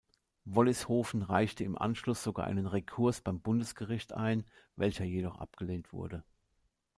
Wollishofen reichte im Anschluss sogar einen Rekurs beim Bundesgericht ein, welcher jedoch abgelehnt wurde.